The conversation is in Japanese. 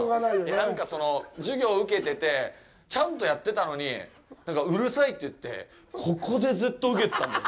なんか授業受けてて、ちゃんとやってたのにうるさいって言ってここでずっと受けてたもん。